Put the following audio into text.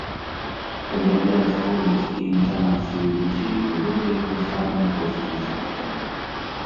Падрабляць голас і інтанацыю людзей было для яго самым простым жартам.